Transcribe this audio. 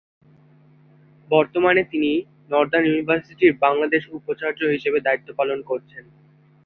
বর্তমানে তিনি northern university বাংলাদেশের উপাচার্য হিসেবে দায়িত্ব পালন করছেন।